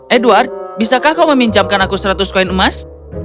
edward bisakah kau meminjamkan aku seratus koin emas